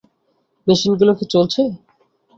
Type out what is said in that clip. মেশিনগুলো কি চলছে?